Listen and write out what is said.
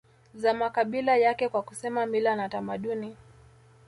za makabila yake kwa kusema mila na tamaduni